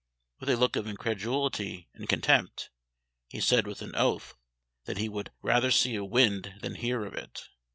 With a look of incredulity and contempt, he said with an oath that he would rather see a wind than hear of it!